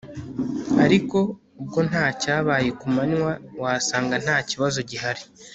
ariko ubwo ntacyabaye kumanywa wasanga ntakibazo gihari